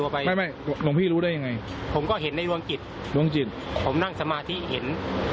ผมนั่งสมาธิเห็น